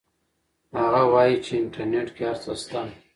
هغه وایي چې انټرنیټ کې هر څه شته.